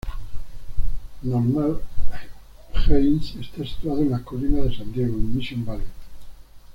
Normal Heights está situado en las colinas de San Diego, en Mission Valley.